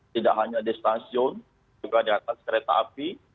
tidak hanya di stasiun juga di atas kereta api